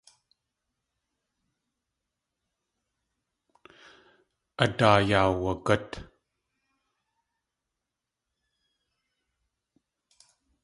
A daa yaawagút.